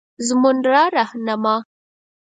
زمونره رهنما